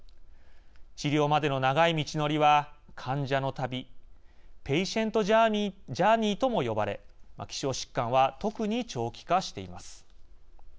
治療までの長い道のりは患者の旅＝ペイシェント・ジャーニーとも呼ばれ、希少疾患は特に長期化しています。